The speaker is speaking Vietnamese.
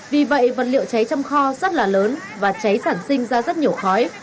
vì vậy vật liệu cháy trong kho rất là lớn và cháy sản sinh ra rất nhiều khói